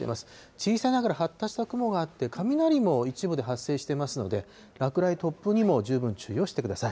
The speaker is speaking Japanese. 小さいながら発達した雲があって、雷も一部で発生していますので、落雷、突風にも十分注意をしてください。